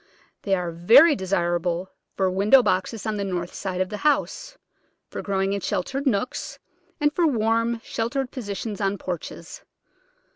They are very desirable for window boxes on the north side of the house, for growing in sheltered nooks, and for warm, sheltered positions on porches.